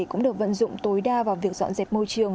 cũng được vận dụng tối đa vào việc dọn dẹp môi trường